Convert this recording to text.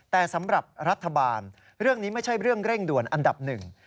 แต่สำหรับรัฐบาลเรื่องนี้ไม่ใช่เรื่องเร่งด่วนอันดับหนึ่ง